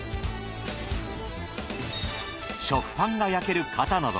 食パンが焼ける型など